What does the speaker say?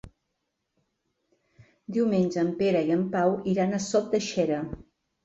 Diumenge en Pere i en Pau iran a Sot de Xera.